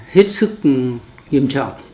hết sức nghiêm trọng